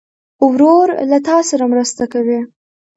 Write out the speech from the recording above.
ورور له تا سره مرسته کوي.